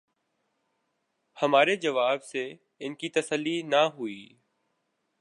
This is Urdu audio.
ہمارے جواب سے ان کی تسلی نہ ہوئی۔